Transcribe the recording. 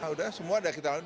udah semua udah kita